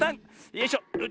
よいしょ。